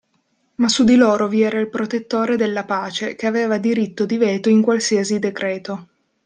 Ma su di loro vi era il protettore della pace, che aveva diritto di veto in qualsiasi decreto.